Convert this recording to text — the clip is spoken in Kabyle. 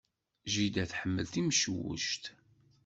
Jida tḥemmel timcewwect.